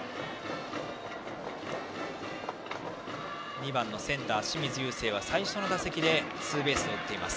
２番のセンター、清水友惺は最初の打席でツーベースを打っています。